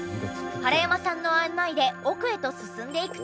原山さんの案内で奥へと進んでいくと。